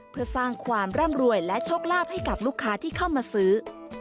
เพื่อสร้างความร่ำรวยและโชคลาภให้กับลูกค้าที่เข้ามาซื้อ